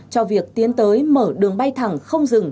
cho việc tiến tới mở đường bay thẳng không dừng